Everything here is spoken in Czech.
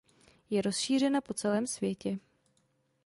Je rozšířena po celém světě.